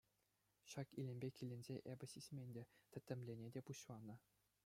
Ҫак илемпе киленсе эпӗ сисмен те — тӗттӗмлене те пуҫланӑ.